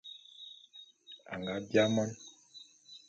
Anga biaé mon.